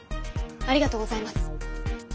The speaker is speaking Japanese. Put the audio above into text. ありがとうございます。